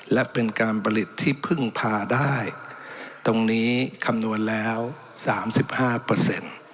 และเป็นการผลิตที่พึ่งพาได้ตรงนี้คำนวณแล้วสามสิบห้าเปอร์เซ็นต์